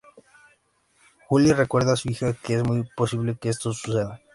Julie recuerda a su hija que es muy posible que esto suceda.